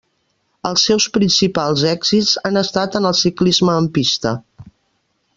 Els seus principals èxits han estat en el ciclisme en pista.